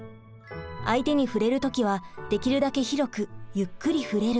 相手に触れる時はできるだけ広くゆっくり触れる。